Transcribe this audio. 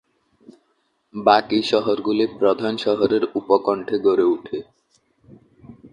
বাকি শহরগুলি প্রধান শহরের উপকন্ঠে গড়ে ওঠে।